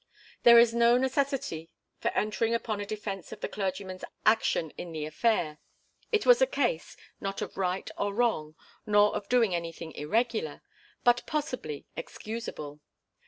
There is no necessity for entering upon a defence of the clergyman's action in the affair. It was a case, not of right or wrong, nor of doing anything irregular, but possibly excusable.